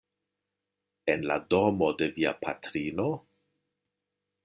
En la domo de via patrino?